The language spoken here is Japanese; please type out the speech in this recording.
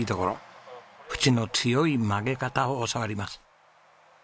縁の強い曲げ方を教わります。